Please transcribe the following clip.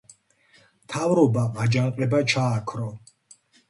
მთავრობამ აჯანყება ჩააქრო.